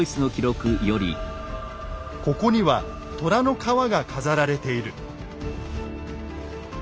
「ここには虎の皮が飾られている」。